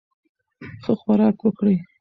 ښه خوراک وکړئ.